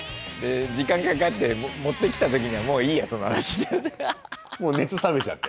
時間かかって持ってきたときには「もういいやその話」だって。